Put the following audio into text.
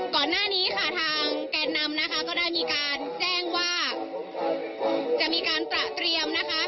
ก่อนหน้านี้ค่ะทางแกนนำนะคะก็ได้มีการแจ้งว่าจะมีการตระเตรียมนะคะ